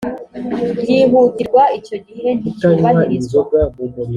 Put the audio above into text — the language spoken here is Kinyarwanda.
byihutirwa icyo gihe nticyubahirizwa